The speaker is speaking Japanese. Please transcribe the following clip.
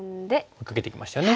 追いかけてきましたね。